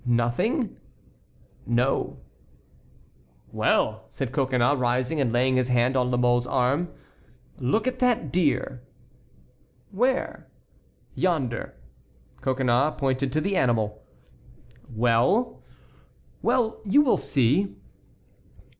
"Nothing?" "No." "Well!" said Coconnas, rising and laying his hand on La Mole's arm, "look at that deer." "Where?" "Yonder." Coconnas pointed to the animal. "Well?" "Well, you will see."